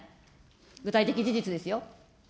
具体的事実ですよ。